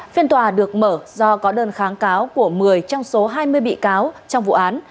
phiên tòa được mở do có đơn kháng cáo của một mươi trong số hai mươi bị cáo trong vụ án